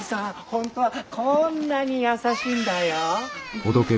本当はこんなに優しいんだよ。